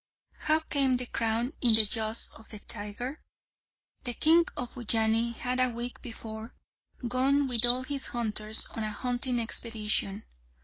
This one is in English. How came the crown in the jaws of the tiger? The king of Ujjaini had a week before gone with all his hunters on a hunting expedition.